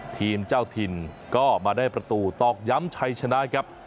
ทีมเจ้าถิ่นก็มาได้ประตูตอกย้ำชัยชนะครับ